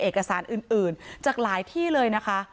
เอกสารอื่นจากหลายที่เลยนะคะ